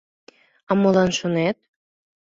А молан, шонет?